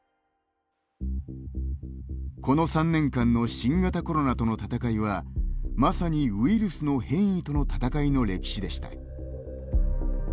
この３年間の新型コロナとの戦いはまさにウイルスの変異との戦いの歴史でした。